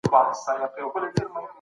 خپل کارونه په وخت کوئ.